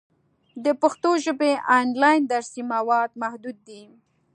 د پښتو ژبې آنلاین درسي مواد محدود دي.